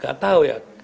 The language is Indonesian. gak tahu ya